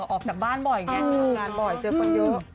ออกจากบ้านบ่อยอย่างนี้ออกจากบ้านบ่อยเจอคนเยอะ